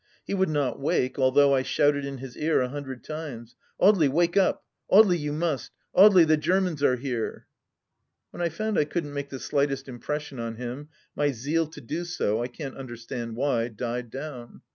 He would not wake, although I shouted in his ear a hundred times :" Audely, wake up J Audely, you must ! Audely, the Germans are here !" When I found I couldn't make the slightest impression on him, my zeal to do so, I can't understand why, died down.